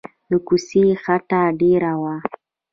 د کوڅې خټه ډېره وه.